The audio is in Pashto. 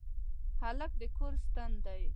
هلک د کور ستن دی.